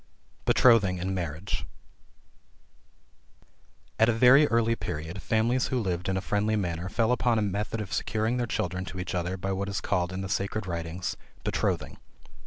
BETROTHING AND MARRIAGE. At a very early period, families who lived in a friendly manner, fell upon a method of securing their children to each other by what is called in the sacred writings Betrothing.